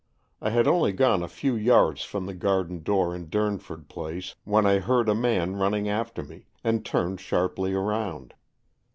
I had only gone a few yards from the garden door in Durnford Place, when I heard a man running after me, and turned sharply round.